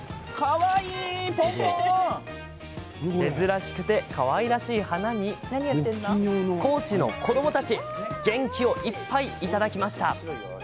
珍しくて、かわいらしい花に高知の子どもたち元気をいっぱい、もらいました。